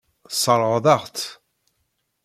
Tesseṛɣeḍ-aɣ-tt.